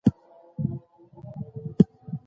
د شپې له خوړو وروسته سمدستي مه ويده کېږه